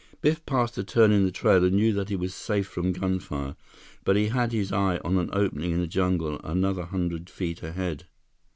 Biff passed a turn in the trail and knew then that he was safe from gunfire, but he had his eye on an opening in the jungle another hundred feet ahead.